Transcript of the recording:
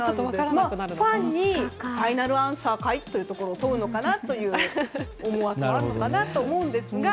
ファンにファイナルアンサーかい？と問うのかなという思惑もあるのかなと思いますが。